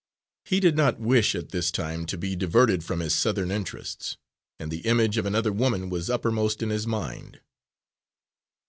He did not wish, at this time, to be diverted from his Southern interests, and the image of another woman was uppermost in his mind.